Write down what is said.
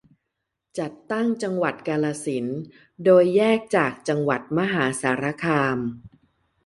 จัดตั้งจังหวัดกาฬสินธุ์ โดยแยกจากจังหวัดมหาสารคาม